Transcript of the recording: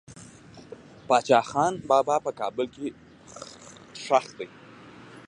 باچا خان بابا په کابل کې خښ دي.